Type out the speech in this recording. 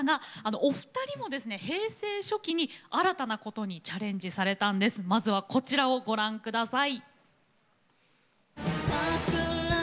お二人も平成初期に新たなことにチャレンジされたんですがまずは、こちらをください。